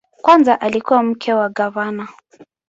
Kwanza alikuwa mke wa gavana.